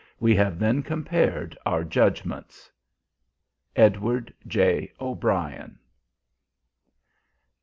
We have then compared our judgements. EDWARD J. O'BRIEN.